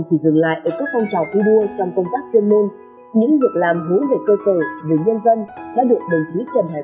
trong phong trào thi đua yêu nước chủ tịch hồ chí minh đã từng nói